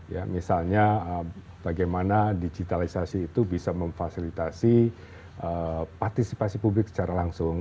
ya misalnya bagaimana digitalisasi itu bisa memfasilitasi partisipasi publik secara langsung